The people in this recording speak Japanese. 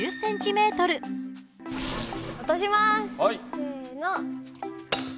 せの。